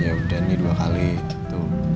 yaudah nih dua kali gitu